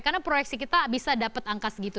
karena proyeksi kita bisa dapat angka segitu